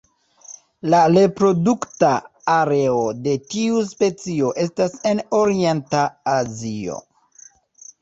La reprodukta areo de tiu specio estas en Orienta Azio.